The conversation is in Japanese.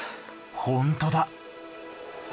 本当だ。